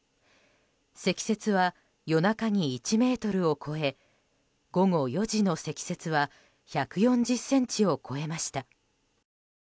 積雪は夜中に１ｍを超え午後４時の積雪は１４０ｃｍを超えました。